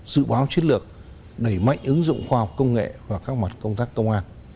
dự báo chiến lược đẩy mạnh ứng dụng khoa học công nghệ và các mặt công tác công an